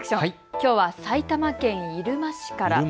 きょうは埼玉県入間市から。